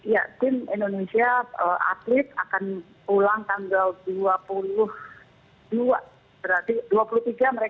ya tim indonesia atlet akan pulang tanggal dua puluh dua berarti dua puluh tiga mereka akan sampai di jakarta